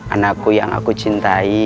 anakku yang aku cintai